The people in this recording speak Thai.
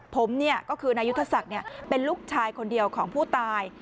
ผมก็คือนายุทธศักดิ์เป็นลูกชายคนเดียวของผู้ตาย